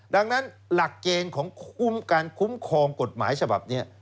ดังนั้นหลักเกณฑ์ของการคุ้มครองกฏหมายฉภัพท์เนี่ย